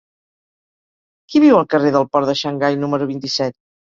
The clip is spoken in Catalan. Qui viu al carrer del Port de Xangai número vint-i-set?